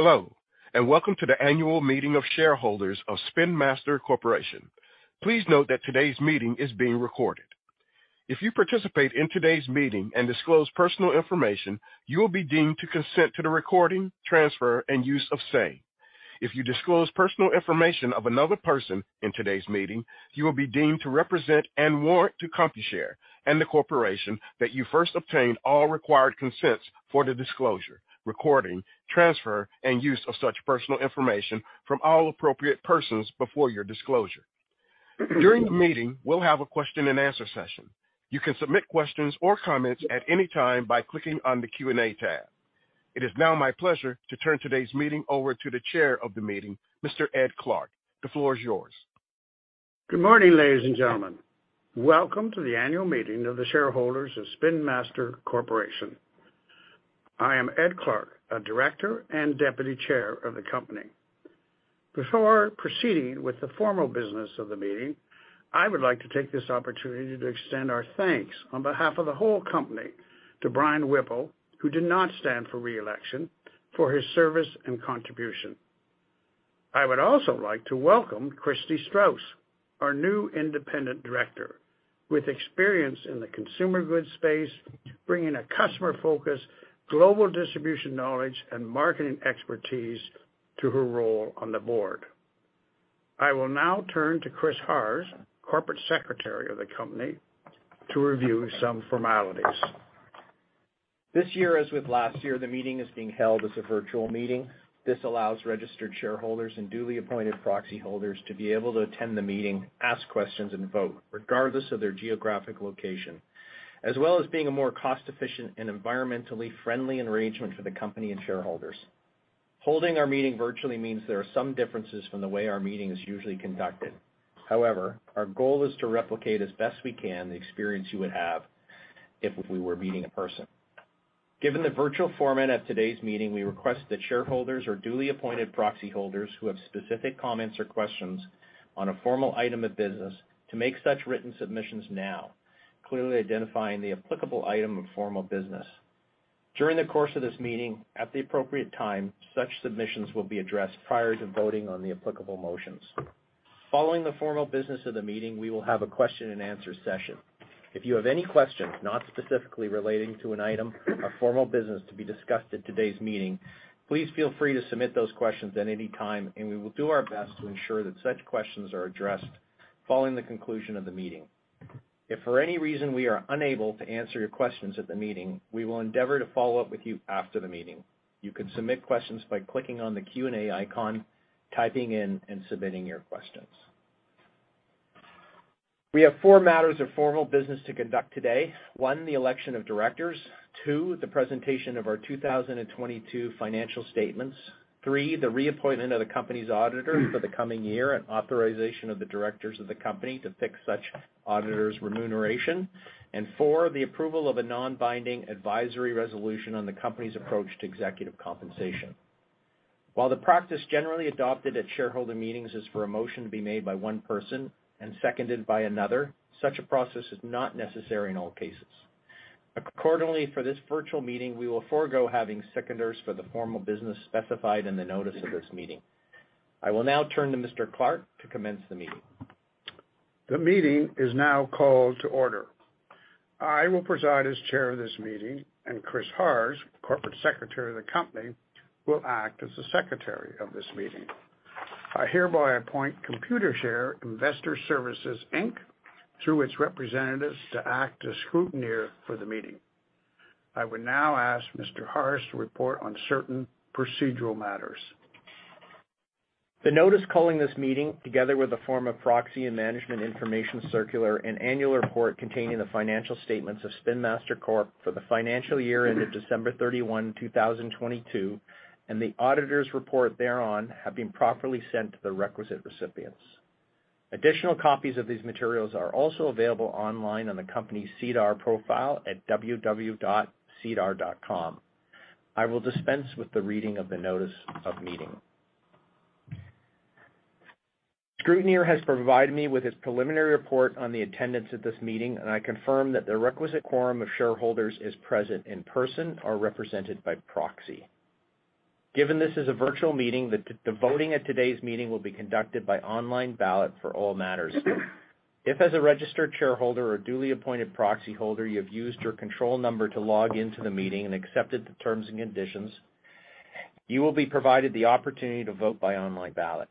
Hello, welcome to the annual meeting of shareholders of Spin Master Corporation. Please note that today's meeting is being recorded. If you participate in today's meeting and disclose personal information, you will be deemed to consent to the recording, transfer, and use of same. If you disclose personal information of another person in today's meeting, you will be deemed to represent and warrant to Computershare and the corporation that you first obtained all required consents for the disclosure, recording, transfer, and use of such personal information from all appropriate persons before your disclosure. During the meeting, we'll have a question-and-answer session. You can submit questions or comments at any time by clicking on the Q&A tab. It is now my pleasure to turn today's meeting over to the Chair of the meeting, Mr. Ed Clark. The floor is yours. Good morning, ladies and gentlemen. Welcome to the annual meeting of the shareholders of Spin Master Corporation. I am Ed Clark, a Director and Deputy Chair of the company. Before proceeding with the formal business of the meeting, I would like to take this opportunity to extend our thanks on behalf of the whole company to Brian Whipple, who did not stand for re-election, for his service and contribution. I would also like to welcome Christi Strauss, our new independent director, with experience in the consumer goods space, bringing a customer focus, global distribution knowledge, and marketing expertise to her role on the board. I will now turn to Christopher Harrs, corporate secretary of the company, to review some formalities. This year, as with last year, the meeting is being held as a virtual meeting. This allows registered shareholders and duly appointed proxy holders to be able to attend the meeting, ask questions, and vote regardless of their geographic location, as well as being a more cost-efficient and environmentally friendly arrangement for the company and shareholders. Holding our meeting virtually means there are some differences from the way our meeting is usually conducted. However, our goal is to replicate as best we can the experience you would have if we were meeting in person. Given the virtual format of today's meeting, we request that shareholders or duly appointed proxy holders who have specific comments or questions on a formal item of business to make such written submissions now, clearly identifying the applicable item of formal business. During the course of this meeting, at the appropriate time, such submissions will be addressed prior to voting on the applicable motions. Following the formal business of the meeting, we will have a question-and-answer session. If you have any questions not specifically relating to an item of formal business to be discussed at today's meeting, please feel free to submit those questions at any time, and we will do our best to ensure that such questions are addressed following the conclusion of the meeting. If for any reason we are unable to answer your questions at the meeting, we will endeavor to follow up with you after the meeting. You can submit questions by clicking on the Q&A icon, typing in, and submitting your questions. We have four matters of formal business to conduct today. One, the election of directors. Two, the presentation of our 2022 financial statements. Three, the reappointment of the company's auditor for the coming year and authorization of the directors of the company to fix such auditor's remuneration. And four, the approval of a non-binding advisory resolution on the company's approach to executive compensation. While the practice generally adopted at shareholder meetings is for a motion to be made by one person and seconded by another, such a process is not necessary in all cases. Accordingly, for this virtual meeting, we will forego having seconders for the formal business specified in the notice of this meeting. I will now turn to Mr. Clark to commence the meeting. The meeting is now called to order. I will preside as chair of this meeting, and Christopher Harrs, Corporate Secretary of the company, will act as the secretary of this meeting. I hereby appoint Computershare Investor Services Inc. through its representatives to act as scrutineer for the meeting. I would now ask Mr. Harrs to report on certain procedural matters. The notice calling this meeting, together with a form of proxy and Management Information Circular and annual report containing the financial statements of Spin Master Corp for the financial year ended December 31, 2022, and the auditor's report thereon have been properly sent to the requisite recipients. Additional copies of these materials are also available online on the company's SEDAR profile at www.sedar.com. I will dispense with the reading of the notice of meeting. Scrutineer has provided me with his preliminary report on the attendance at this meeting, and I confirm that the requisite quorum of shareholders is present in person or represented by proxy. Given this is a virtual meeting, the voting at today's meeting will be conducted by online ballot for all matters. If as a registered shareholder or duly appointed proxy holder, you have used your control number to log into the meeting and accepted the terms and conditions, you will be provided the opportunity to vote by online ballot.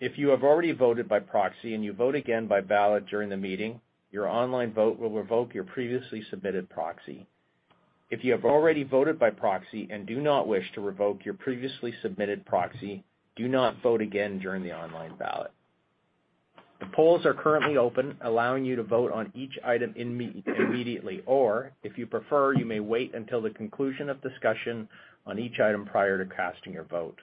If you have already voted by proxy and you vote again by ballot during the meeting, your online vote will revoke your previously submitted proxy. If you have already voted by proxy and do not wish to revoke your previously submitted proxy, do not vote again during the online ballot. The polls are currently open, allowing you to vote on each item immediately, or if you prefer, you may wait until the conclusion of discussion on each item prior to casting your vote.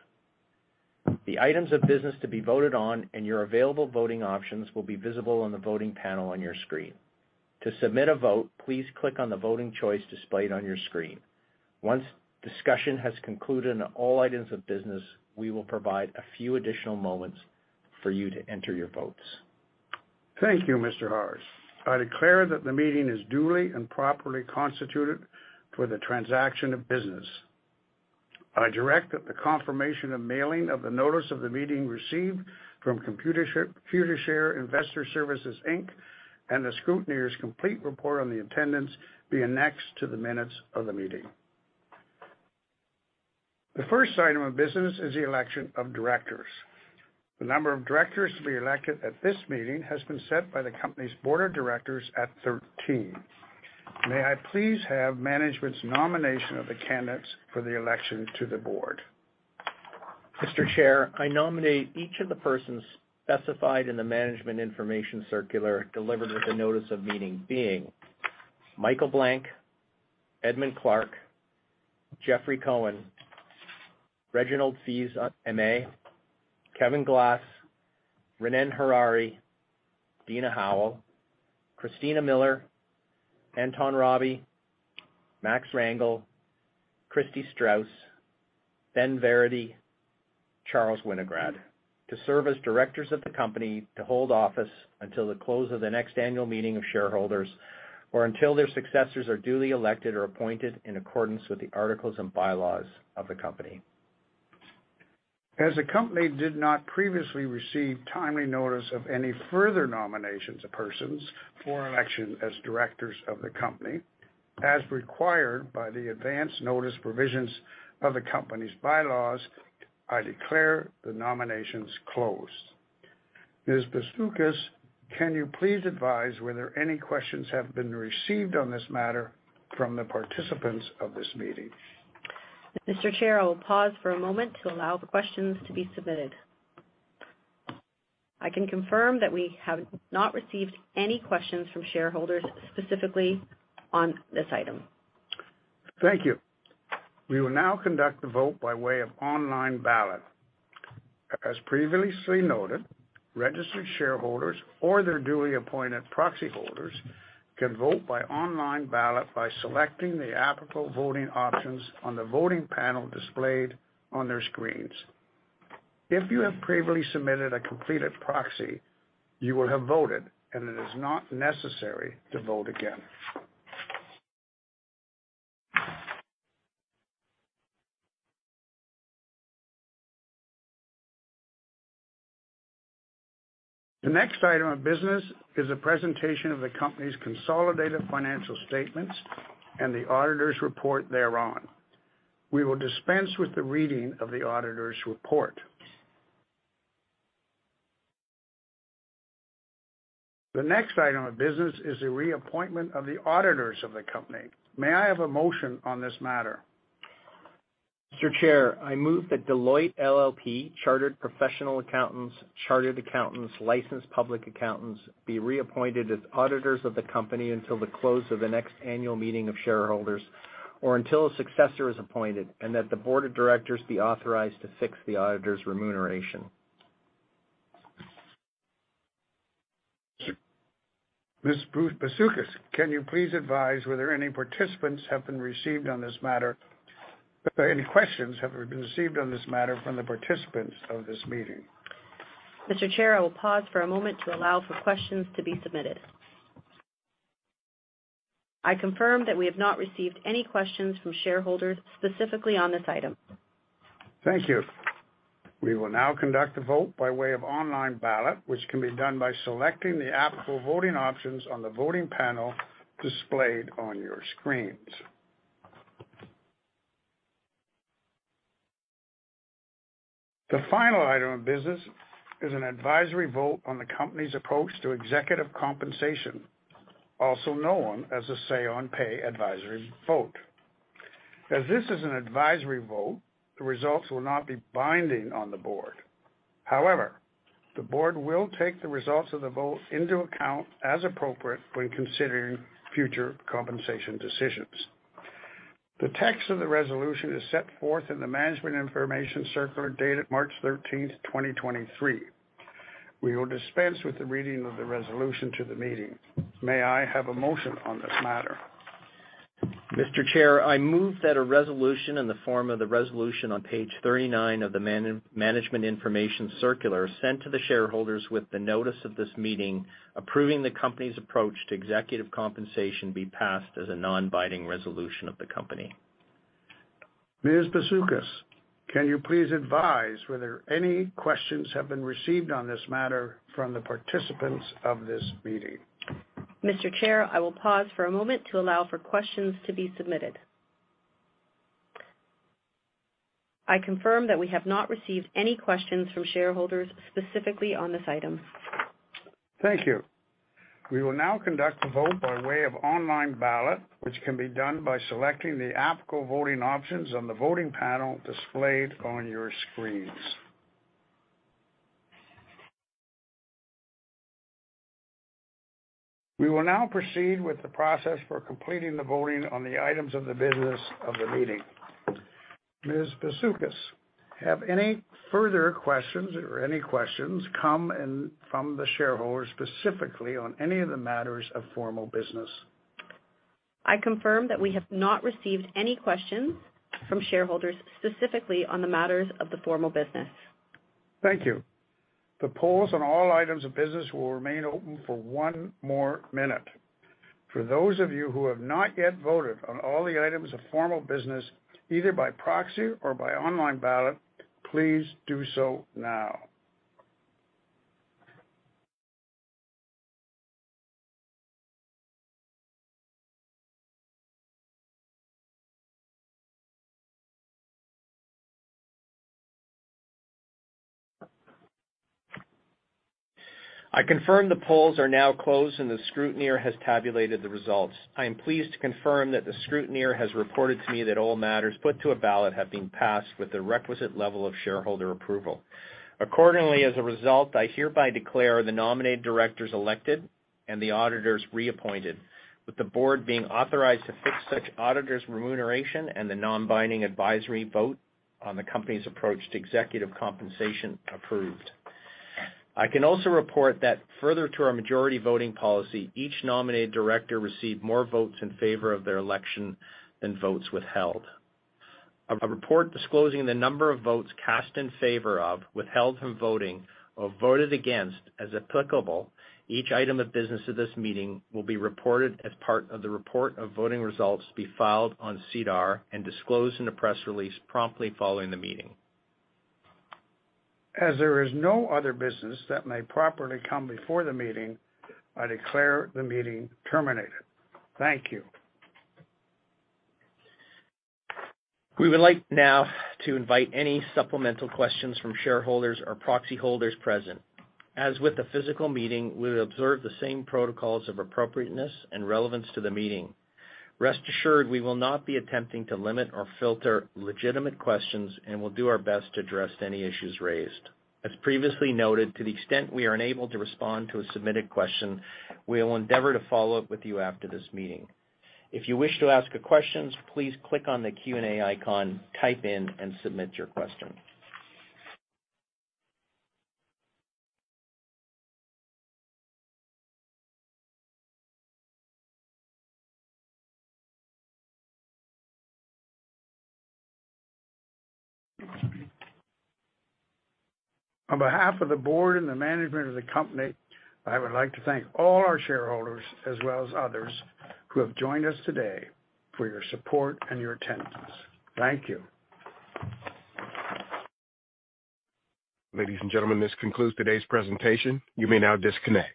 The items of business to be voted on and your available voting options will be visible on the voting panel on your screen. To submit a vote, please click on the voting choice displayed on your screen. Once discussion has concluded on all items of business, we will provide a few additional moments for you to enter your votes. Thank you, Mr. Harrs. I declare that the meeting is duly and properly constituted for the transaction of business. I direct that the confirmation of mailing of the notice of the meeting received from Computershare Investor Services Inc. the scrutineer's complete report on the attendance be annexed to the minutes of the meeting. The first item of business is the election of directors. The number of directors to be elected at this meeting has been set by the company's board of directors at 13. May I please have management's nomination of the candidates for the election to the board? Mr. Chair, I nominate each of the persons specified in the Management Information Circular delivered with the notice of meeting being Michael Blank, Edmund Clark, Jeffrey Cohen, Reginald Fils-Aimé, Kevin Glass, Ronnen Harary, Dina Howell, Christina Miller, Anton Rabie, Max Rangel, Christi Strauss, Ben Varadi, Charles Winograd, to serve as directors of the company to hold office until the close of the next annual meeting of shareholders, or until their successors are duly elected or appointed in accordance with the articles and bylaws of the company. The company did not previously receive timely notice of any further nominations of persons for election as directors of the company as required by the advance notice provisions of the company's bylaws, I declare the nominations closed. Ms. Basukus, can you please advise whether any questions have been received on this matter from the participants of this meeting? Mr. Chair, I will pause for a moment to allow the questions to be submitted. I can confirm that we have not received any questions from shareholders specifically on this item. Thank you. We will now conduct the vote by way of online ballot. As previously noted, registered shareholders or their duly appointed proxy holders can vote by online ballot by selecting the applicable voting options on the voting panel displayed on their screens. If you have previously submitted a completed proxy, you will have voted, and it is not necessary to vote again. The next item of business is a presentation of the company's consolidated financial statements and the auditor's report thereon. We will dispense with the reading of the auditor's report. The next item of business is the reappointment of the auditors of the company. May I have a motion on this matter? Mr. Chair, I move that Deloitte LLP, Chartered Professional Accountants, Chartered Accountants, Licensed Public Accountants, be reappointed as auditors of the company until the close of the next annual meeting of shareholders, or until a successor is appointed, and that the board of directors be authorized to fix the auditor's remuneration. Ms. Basukus, can you please advise whether any participants have been received on this matter, if any questions have been received on this matter from the participants of this meeting? Mr. Chair, I will pause for a moment to allow for questions to be submitted. I confirm that we have not received any questions from shareholders specifically on this item. Thank you. We will now conduct a vote by way of online ballot, which can be done by selecting the applicable voting options on the voting panel displayed on your screens. The final item of business is an advisory vote on the company's approach to executive compensation, also known as the say on pay advisory vote. As this is an advisory vote, the results will not be binding on the board. However, the board will take the results of the vote into account as appropriate when considering future compensation decisions. The text of the resolution is set forth in the Management Information Circular dated March 13th, 2023. We will dispense with the reading of the resolution to the meeting. May I have a motion on this matter? Mr. Chair, I move that a resolution in the form of the resolution on page 39 of the Management Information Circular sent to the shareholders with the notice of this meeting approving the company's approach to executive compensation be passed as a non-binding resolution of the company. Ms. Basukus, can you please advise whether any questions have been received on this matter from the participants of this meeting? Mr. Chair, I will pause for a moment to allow for questions to be submitted. I confirm that we have not received any questions from shareholders specifically on this item. Thank you. We will now conduct the vote by way of online ballot, which can be done by selecting the applicable voting options on the voting panel displayed on your screens. We will now proceed with the process for completing the voting on the items of the business of the meeting. Ms. Basukus, have any further questions or any questions come in from the shareholders specifically on any of the matters of formal business? I confirm that we have not received any questions from shareholders specifically on the matters of the formal business. Thank you. The polls on all items of business will remain open for one more minute. For those of you who have not yet voted on all the items of formal business, either by proxy or by online ballot, please do so now. I confirm the polls are now closed and the scrutineer has tabulated the results. I am pleased to confirm that the scrutineer has reported to me that all matters put to a ballot have been passed with the requisite level of shareholder approval. As a result, I hereby declare the nominated directors elected and the auditors reappointed, with the board being authorized to fix such auditors remuneration and the non-binding advisory vote on the company's approach to executive compensation approved. I can also report that further to our majority voting policy, each nominated director received more votes in favor of their election than votes withheld. A report disclosing the number of votes cast in favor of, withheld from voting, or voted against, as applicable. Each item of business of this meeting will be reported as part of the report of voting results to be filed on SEDAR and disclosed in a press release promptly following the meeting. As there is no other business that may properly come before the meeting, I declare the meeting terminated. Thank you. We would like now to invite any supplemental questions from shareholders or proxy holders present. As with the physical meeting, we will observe the same protocols of appropriateness and relevance to the meeting. Rest assured, we will not be attempting to limit or filter legitimate questions, and we'll do our best to address any issues raised. As previously noted, to the extent we are unable to respond to a submitted question, we will endeavor to follow up with you after this meeting. If you wish to ask a questions, please click on the Q&A icon, type in and submit your question. On behalf of the board and the management of the company, I would like to thank all our shareholders as well as others who have joined us today for your support and your attendance. Thank you. Ladies and gentlemen, this concludes today's presentation. You may now disconnect.